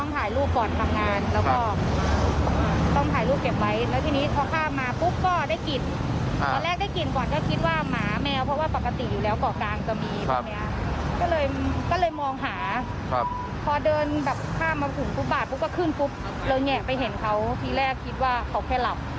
ไปเห็นเขาทีแรกคิดว่าเขาแค่หลับ